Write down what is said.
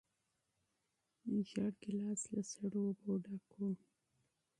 زېړ ګیلاس له یخو اوبو نه ډک و.